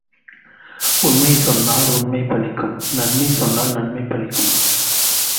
உண்மை சொன்னால் உண்மை பலிக்கும் நன்மை சொன்னால் நன்மை பலிக்கும்.